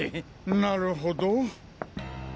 なるほど。